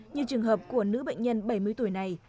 như trường hợp của nữ bệnh nhân bảy mươi tuổi này